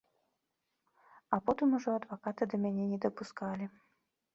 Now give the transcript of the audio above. А потым ужо адваката да мяне не дапускалі.